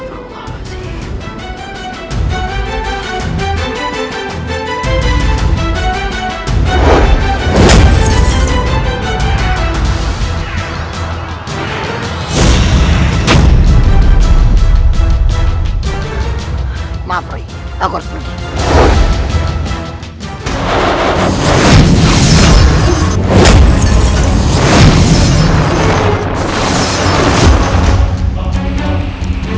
rai lihat perbuatanmu